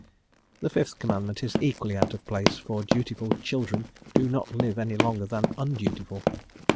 The fifth Commandment is equally out of place, for dutiful children do not live any longer than undutiful.